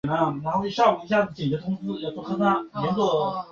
两个国家都是世界贸易组织的正式成员。